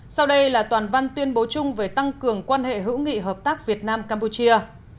sau đây là toàn văn tuyên bố chung về tăng cường quan hệ hữu nghị hợp tác việt nam campuchia